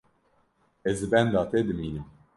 Ez li benda te dimînim.